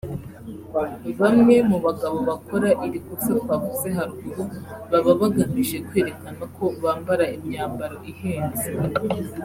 bamwe mu bagabo bakora iri kosa twavuze haruguru baba bagamije kwerekana ko bambara imyambaro ihenze